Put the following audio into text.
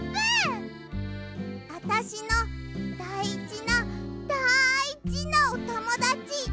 あたしのだいじなだいじなおともだち。